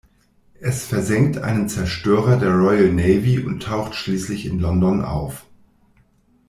Es versenkt einen Zerstörer der Royal Navy und taucht schließlich in London auf.